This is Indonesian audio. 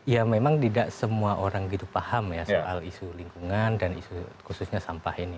ya memang tidak semua orang gitu paham ya soal isu lingkungan dan isu khususnya sampah ini